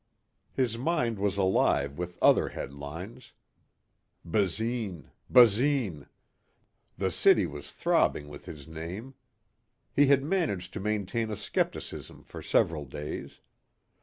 His mind was alive with other headlines. Basine ... Basine ... the city was throbbing with his name. He had managed to maintain a skepticism for several days.